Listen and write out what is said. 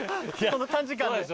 この短時間で。